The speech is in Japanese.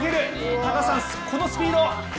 高橋さん、このスピード！